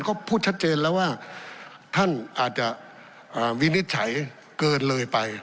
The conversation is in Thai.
ก็พูดชัดเจนแล้วว่าท่านอาจจะวินิจฉัยเกินเลยไป